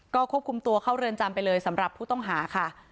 ก็ควบคุมตัวเข้าเรือนจำไปเลยสำหรับผู้ต้องหาค่ะ